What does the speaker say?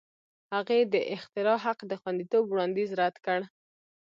هغې د اختراع حق د خوندیتوب وړاندیز رد کړ.